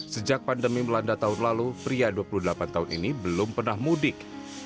sejak pandemi melanda tahun lalu pria dua puluh delapan tahun ini belum pernah mudik